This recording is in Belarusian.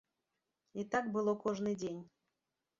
І так было кожны дзень.